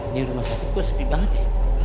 di rumah sakit gue sepi banget ya